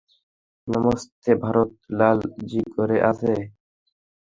নমস্তে, ভারত লালজি ঘরে আছে?